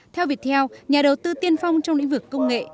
theo việt theo nhà đầu tư tiên phong trong lĩnh vực công nghệ